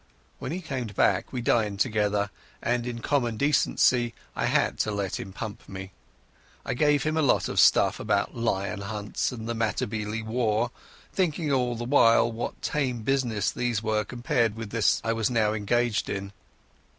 When he came back we dined together, and in common decency I had to let him pump me. I gave him a lot of stuff about lion hunts and the Matabele War, thinking all the while what tame businesses these were compared to this I was now engaged in!